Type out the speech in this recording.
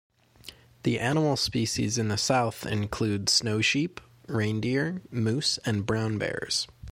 The animal species in the south include snow sheep, reindeer, moose and brown bears.